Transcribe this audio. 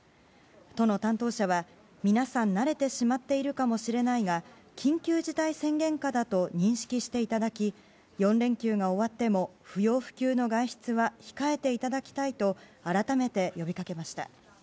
都の担当者は皆さん慣れてしまっているかもしれないが緊急事態宣言下だと認識していただき４連休が終わっても不要不急の外出は控えていただきたいと改めて呼びかけました。